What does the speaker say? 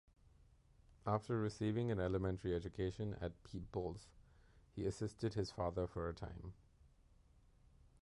After receiving an elementary education at Peebles he assisted his father for a time.